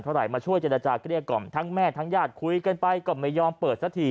ไหรมาช่วยเจรจาเกลี้ยกล่อมทั้งแม่ทั้งญาติคุยกันไปก็ไม่ยอมเปิดสักที